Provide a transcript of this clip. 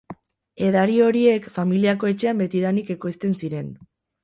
Edari horiek familiako etxean betidanik ekoizten ziren.